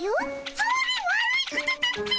それ悪いことだっピィ！